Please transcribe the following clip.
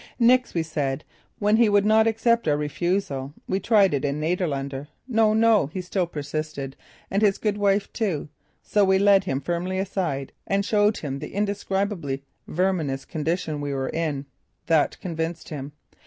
"Nix," we said, and when he would not accept our refusal we tried it in Niederländer. "No, no." Still he persisted, and his good wife too. So we led him firmly aside and showed him the indescribably verminous condition we were in. That convinced him.